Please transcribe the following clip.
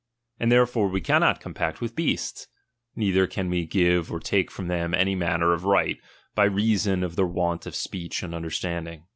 And therefore we cannot compact with beasts, neither can we give or take from them any manner of right, by reason of their want of speech and iinderstanding.